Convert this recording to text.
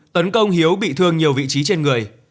tấn công hiếu bị thương nhiều vị trí trên người